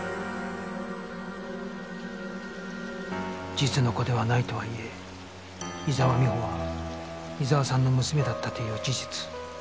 実の子ではないとはいえ伊沢美穂は伊沢さんの娘だったという事実